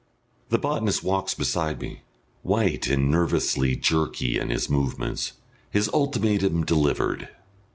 The botanist walks beside me, white and nervously jerky in his movements, his ultimatum delivered.